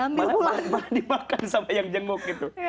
boleh dimakan sama yang jenguk gitu